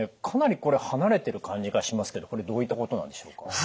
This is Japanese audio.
かなりこれ離れてる感じがしますけどこれどういったことなんでしょうか？